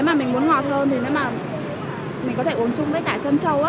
nếu mà mình muốn ngọt hơn thì nếu mà mình có thể uống chung với cả chân trâu á